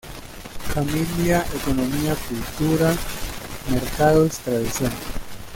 Familia Economía Cultura Mercados Tradición